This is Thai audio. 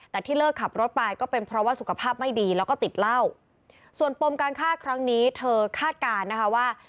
แต่ที่เลิกขับรถไปก็เป็นเพราะว่าสุขภาพไม่ดีแล้วก็ติดเหล้าส่วนปมการฆ่าครั้งนี้เธอคาดการณ์นะคะว่า